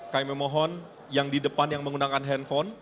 kami memohon yang di depan yang menggunakan handphone